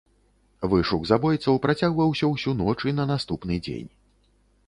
Вышук забойцаў працягваўся ўсю ноч і на наступны дзень.